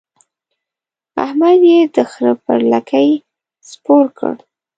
احمد يې د خره پر لکۍ سپور کړ.